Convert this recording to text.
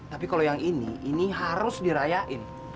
tapi kalau yang ini ini harus dirayain